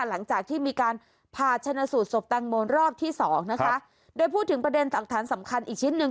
หลังจากที่มีการผ่าชนะสูตรศพแตงโมรอบที่สองนะคะโดยพูดถึงประเด็นหลักฐานสำคัญอีกชิ้นหนึ่ง